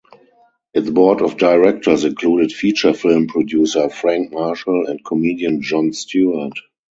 Its board of directors included feature film producer Frank Marshall and comedian Jon Stewart.